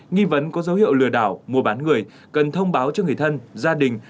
nghi vấn có dấu hiệu lừa đảo mua bán người cần thông báo cho người thân gia đình